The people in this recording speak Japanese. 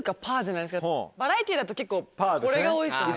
バラエティーだと結構これが多いですよね。